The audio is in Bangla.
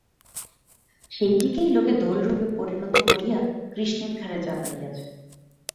সেইটিকেই লোকে দোলরূপে পরিণত করিয়া কৃষ্ণের ঘাড়ে চাপাইয়াছে।